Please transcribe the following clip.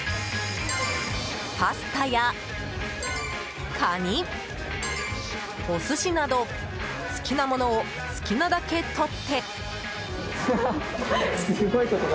パスタやカニ、お寿司など好きなものを好きなだけ取って。